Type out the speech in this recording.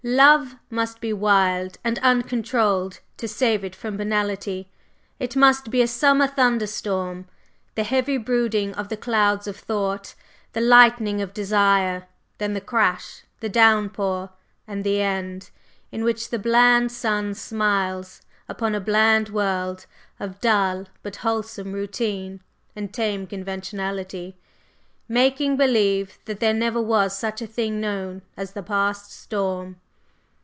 "Love must be wild and uncontrolled to save it from banalité. It must be a summer thunderstorm; the heavy brooding of the clouds of thought, the lightning of desire, then the crash, the downpour, and the end, in which the bland sun smiles upon a bland world of dull but wholesome routine and tame conventionality, making believe that there never was such a thing known as the past storm!